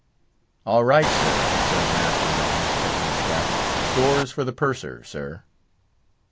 "All right, sir," said the master at arms, touching his cap; "stores for the Purser, sir."